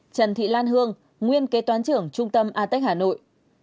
hai trần thị lan hương nguyên kế toán trưởng trung tâm ethics hà nội